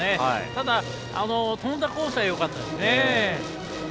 ただ、飛んだコースはよかったですね。